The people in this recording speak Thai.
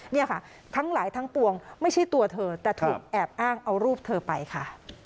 เนี่ยค่ะทั้งหลายทั้งปวงไม่ใช่ตัวเธอแต่ถูกแอบอ้างเอารูปเธอไปค่ะ